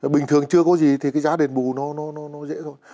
bình thường chưa có gì thì cái giá đền bù nó dễ thôi